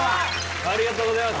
ありがとうございます